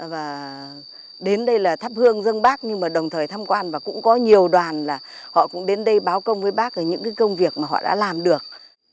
và đến đây là thắp hương dân bác nhưng mà đồng thời tham quan và cũng có nhiều đoàn là họ cũng đến đây báo công với bác ở những cái công việc mà họ đã làm được